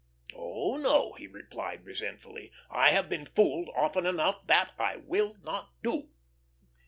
"Oh no," he replied, resentfully, "I have been fooled often enough! That I will not do."